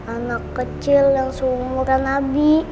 anak kecil yang seumuran abi